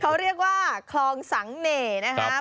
เขาเรียกว่าคลองสังเน่นะครับ